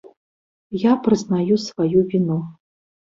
Я прызнаю сваю віну.